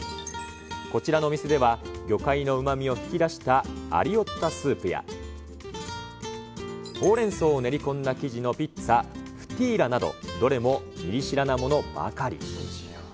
こちらのお店では、魚介のうまみを引き出したアリオッタスープや、ほうれん草を練り込んだ生地のピッツァ、フティーラなど、どれもミリ知らなものばかり。